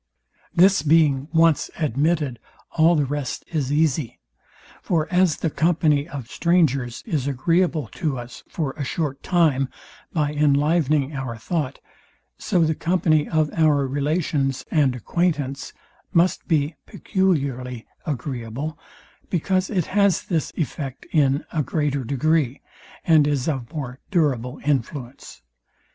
This being once admitted, all the rest is easy. For as the company of strangers is agreeable to us for a short time, by inlivening our thought; so the company of our relations and acquaintance must be peculiarly agreeable, because it has this effect in a greater degree, and is of more durable influence.